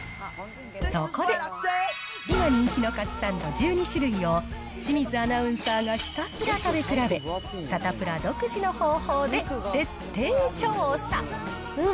そこで、今人気のカツサンド１２種類を、清水アナウンサーがひたすら食べ比べ、サタプラ独自の方法で徹底調査。